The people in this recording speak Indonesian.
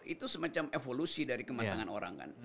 itu semacam evolusi dari kematangan orang kan